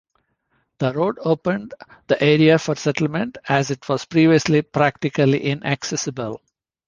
The road opened the area for settlement, as it was previously practically inaccessible.